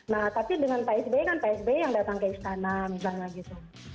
nah tapi dengan pak sby kan pak sby yang datang ke istana misalnya gitu